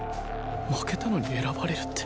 負けたのに選ばれるって